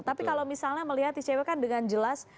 tapi kalau misalnya melihat icw kan dengan jelas